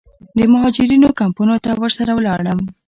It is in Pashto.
د مهاجرینو کمپونو ته ورسره ولاړم.